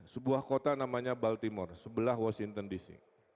sebuah kota namanya baltimore sebelah washington dc